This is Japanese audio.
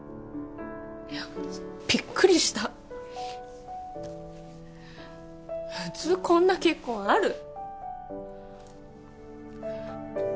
びっくりした普通こんな結婚ある？